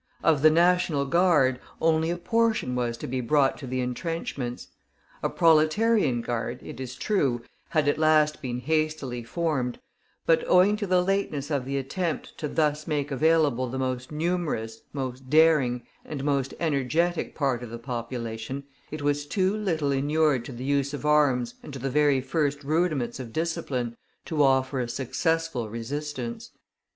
Of the National Guard only a portion was to be brought to the entrenchments. A Proletarian Guard, it is true, had at last been hastily formed, but owing to the lateness of the attempt to thus make available the most numerous, most daring, and most energetic part of the population, it was too little inured to the use of arms and to the very first rudiments of discipline to offer a successful resistance.